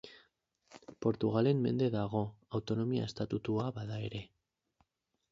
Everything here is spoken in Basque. Portugalen mende dago, autonomia-estatutua badu ere.